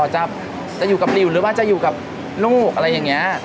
จะอยู่กับหลิวหรือว่าจะอยู่กับลูกอะไรอย่างนี้